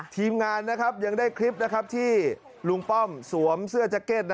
ทีมงานนะครับยังได้คลิปนะครับที่ลุงป้อมสวมเสื้อแจ๊กเก็ตนะครับ